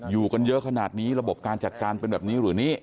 อยู่กันเยอะขนาดนี้ระบบการจัดการเป็นแบบนี้หรือนี่